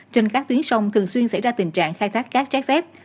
trên các tuyến sông thường xuyên xảy ra tình trạng khai thác cát trái phép